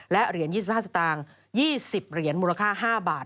และเหรียญ๒๕สตางค์๒๐เหรียญมูลค่า๕บาท